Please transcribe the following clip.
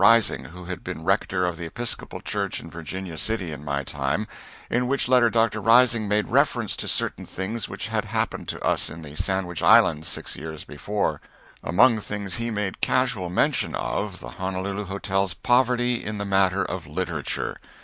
Rising, who had been rector of the Episcopal church in Virginia City in my time, in which letter Dr. Rising made reference to certain things which had happened to us in the Sandwich Islands six years before; among things he made casual mention of the Honolulu Hotel's poverty in the matter of literature.